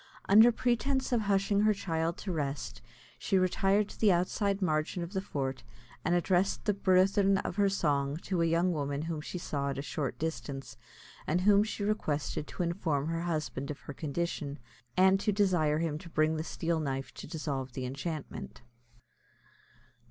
Under pretence of hushing her child to rest, she retired to the outside margin of the fort, and addressed the burthen of her song to a young woman whom she saw at a short distance, and whom she requested to inform her husband of her condition, and to desire him to bring the steel knife to dissolve the enchantment.